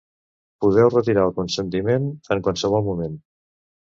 Podeu retirar el consentiment en qualsevol moment.